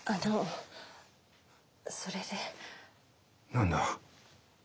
何だ？